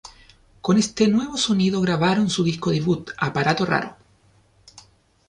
Con este nuevo sonido grabaron su disco debut, "Aparato Raro".